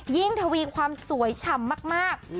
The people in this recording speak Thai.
ทวีความสวยฉ่ำมาก